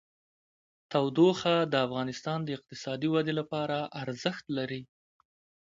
تودوخه د افغانستان د اقتصادي ودې لپاره ارزښت لري.